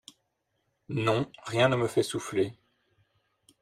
Non, rien ne me fait souffler.